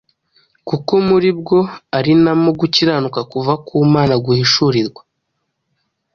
Kuko muri bwo ari na mo gukiranuka kuva ku Mana guhishurirwa,